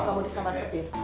mau kamu disambar petir